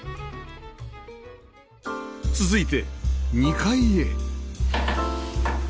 続いて２階へ